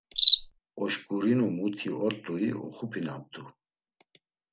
Oşǩurinu muti ort̆ui, uxup̌inamt̆u.